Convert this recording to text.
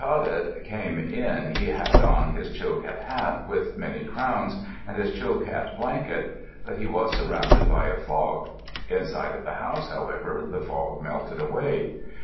Andrews_] When the Gonaqadet came in he had on his Chilkat hat with many crowns and his Chilkat blanket, but he was surrounded by a fog. Inside of the house, however, the fog melted away.